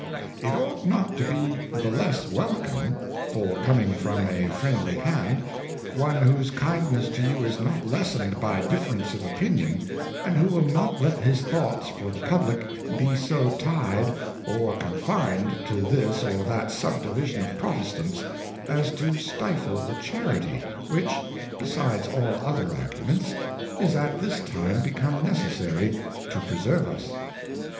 It ought not to be the less welcome, for coming from a friendly Hand, one whose kindness to you is not lessened by differenceof Opirnon, and who will not let his Thoughts for the Publick be so tied or confined to this or that Sub division of Protestants, as to stifle the Charity, which, besides all other Arguments, is j,t this time become necessary to preserve us.